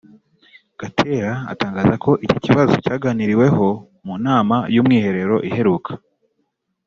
Gatera atangaza ko iki kibazo cyaganiriweho mu nama y’Umwiherero iheruka